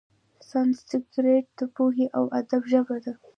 سانسکریت د پوهې او ادب ژبه وه.